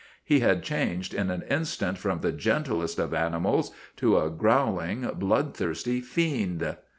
He had changed in an instant from the gentlest of animals to a growling, bloodthirsty fiend.